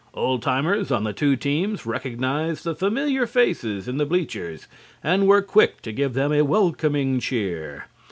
Old timers on the two teams recognized the familiar faces in the bleachers and were quick to give them a welcoming cheer.